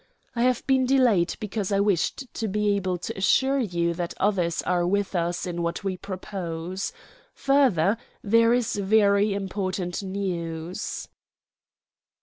"I have been delayed, because I wished to be able to assure you that others are with us in what we propose. Further, there is very important news."